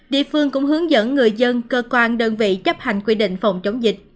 địa phương cũng hướng dẫn người dân cơ quan đơn vị chấp hành quy định phòng chống dịch